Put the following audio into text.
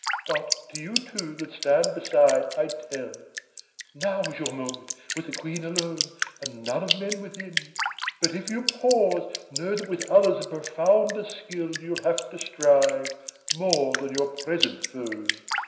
But to you two that stand beside I tell, Now is your moment, with the Queen alone, And none of men within; but if you pause, Know that with others of profounder skill You'll have to strive, more than your present foes. OR.